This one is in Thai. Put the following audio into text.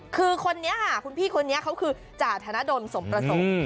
คือคนนี้ค่ะคุณพี่คนนี้เขาคือจ่าธนดลสมประสงค์